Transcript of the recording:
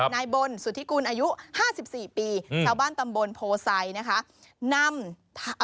นายบนสุธิกุลอายุ๕๔ปีชาวบ้านตำบลโพไซด์นะคะ